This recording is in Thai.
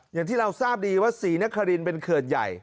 อย่างที่เราทราบดีว่าศรีนครินเป็นเขื่อนใหญ่